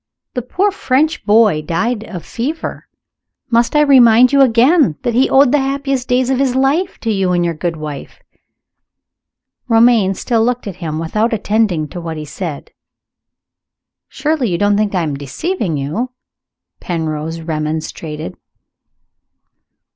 The poor French boy died of a fever. Must I remind you again that he owed the happiest days of his life to you and your good wife?" Romayne still looked at him without attending to what he said. "Surely you don't think I am deceiving you?" Penrose remonstrated.